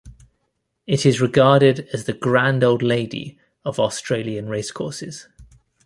It is regarded as the 'grand old lady' of Australian racecourses.